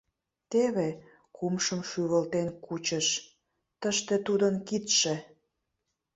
Теве, — кумшым шӱвылтен кучыш, — тыште тудын кидше.